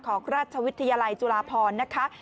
ของราชวิทยาลัยจุฬาพรนะคะ